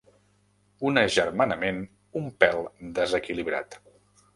Un agermanament un pèl desequilibrat.